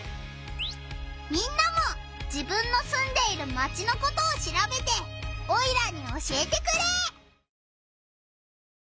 みんなも自分のすんでいるマチのことをしらべてオイラに教えてくれ！